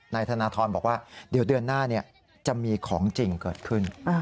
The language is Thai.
นายธนทรบอกว่าเดี๋ยวเดือนหน้าจะมีของจริงเกิดขึ้น